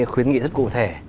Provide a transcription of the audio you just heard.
khuyến nghị rất cụ thể